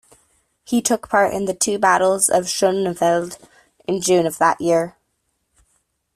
He took part in the two Battles of Schooneveld in June of that year.